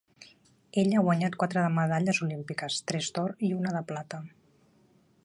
Ell ha guanyat quatre medalles olímpiques, tres d'or i una de plata.